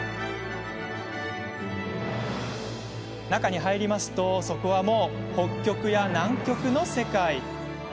中に入れば、そこはもう北極や南極の世界。